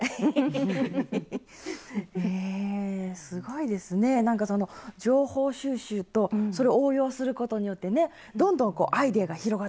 へえすごいですねなんかその情報収集とそれを応用することによってねどんどんこうアイデアが広がっていくんですね。